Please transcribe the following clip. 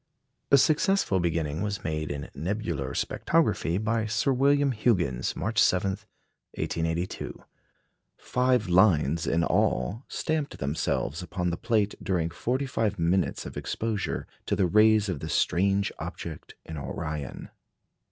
A successful beginning was made in nebular spectrography by Sir William Huggins, March 7, 1882. Five lines in all stamped themselves upon the plate during forty five minutes of exposure to the rays of the strange object in Orion.